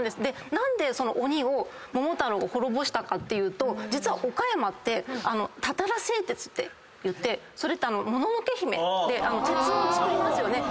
何で鬼を桃太郎が滅ぼしたかっていうと実は岡山ってたたら製鉄っていってそれって『もののけ姫』で鉄をつくりますよね。